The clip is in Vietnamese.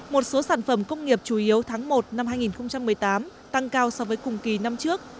một số sản phẩm công nghiệp chủ yếu tháng một năm hai nghìn một mươi tám tăng cao so với cùng kỳ năm trước